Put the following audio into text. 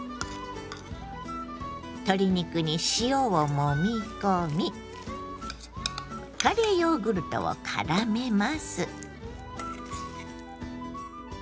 鶏肉に塩をもみ込みカレーヨーグルトをからめます。